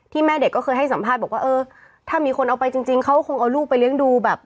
แม่เด็กก็เคยให้สัมภาษณ์บอกว่าเออถ้ามีคนเอาไปจริงจริงเขาคงเอาลูกไปเลี้ยงดูแบบ